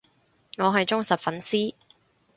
我係忠實粉絲